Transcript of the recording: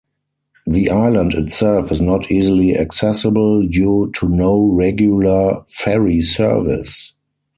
The island itself is not easily accessible due to no regular ferry service.